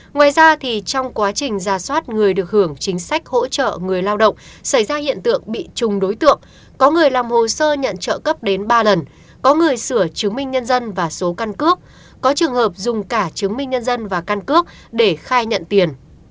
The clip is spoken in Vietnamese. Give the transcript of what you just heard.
ngoài ra trong quá trình ra soát người được hưởng chính sách hỗ trợ người lao động xảy ra hiện tượng bị trùng đối tượng có người làm hồ sơ nhận trợ cấp đến ba lần có người sửa chứng minh nhân dân và số căn cước có trường hợp dùng cả chứng minh nhân dân và căn cước để khai nhận tiền